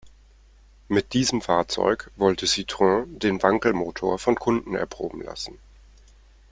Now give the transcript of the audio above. Mit diesem Fahrzeug wollte Citroën den Wankelmotor von Kunden erproben lassen.